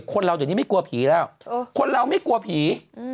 คนเราเดี๋ยวนี้ไม่กลัวผีแล้วคนเราไม่กลัวผี